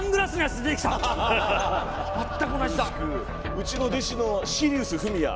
うちの弟子のシリウスフミヤ。